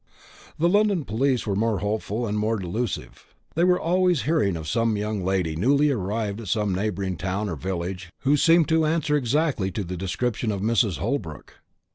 The London police were more hopeful and more delusive. They were always hearing of some young lady newly arrived at some neighbouring town or village who seemed to answer exactly to the description of Mrs. Holbrook.